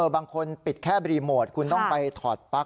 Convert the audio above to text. บางคนปิดแค่รีโมทคุณต้องไปถอดปลั๊ก